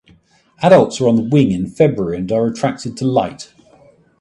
Adults are on the wing in February and are attracted to light.